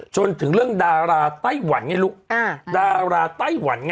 จนถึงเรื่องดาราไต้หวันไงลูกดาราไต้หวัน